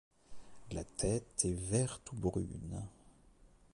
La tête est verte ou brune.